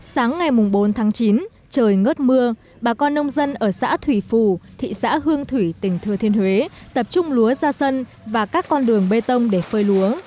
sáng ngày bốn tháng chín trời ngớt mưa bà con nông dân ở xã thủy phù thị xã hương thủy tỉnh thừa thiên huế tập trung lúa ra sân và các con đường bê tông để phơi lúa